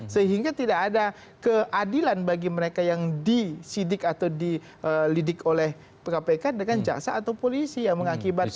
sehingga tidak ada keadilan bagi mereka yang disidik atau dilidik oleh kpk dengan jaksa atau polisi yang mengakibatkan